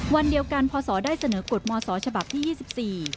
วันเดียวกันพศได้เสนอกฎมศฉบับที่๒๔